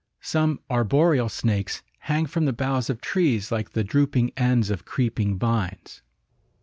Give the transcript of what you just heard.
Some arboreal snakes hang from the boughs of trees like the drooping ends of creeping vines.